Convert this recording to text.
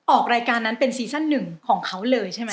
ออกรายการนั้นเป็นซีซั่นหนึ่งของเขาเลยใช่ไหม